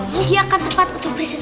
sediakan tempat untuk besi siap